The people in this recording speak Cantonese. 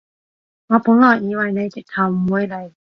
我本來以為你直頭唔會嚟